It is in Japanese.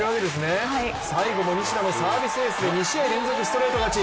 最後も西田のサービスエースで２試合連続ストレート勝ち。